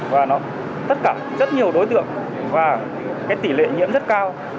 và nó tất cả rất nhiều đối tượng và cái tỷ lệ nhiễm rất cao